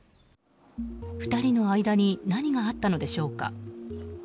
２人の間に何があったのでしょうか。